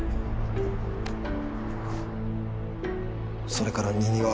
それから新見は